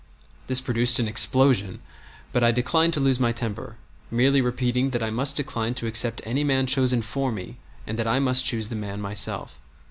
This produced an explosion, but I declined to lose my temper, merely repeating that I must decline to accept any man chosen for me, and that I must choose the man myself.